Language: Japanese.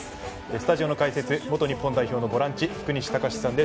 スタジアム解説元日本代表のボランチ福西崇史さんです。